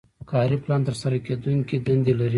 کاري پلان ترسره کیدونکې دندې لري.